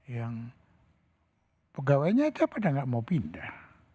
yang pegawainya pada gak mau pindah